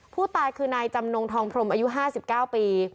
ผู้ตายคือนายจำนงทองพรมอายุ๕๙ปี